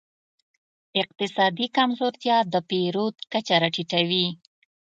اقتصادي کمزورتیا د پیرود کچه راټیټوي.